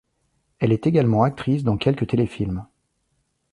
Elle est également actrice dans quelques téléfilms.